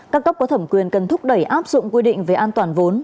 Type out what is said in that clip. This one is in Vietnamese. các cấp có thẩm quyền cần thúc đẩy áp dụng quy định về an toàn vốn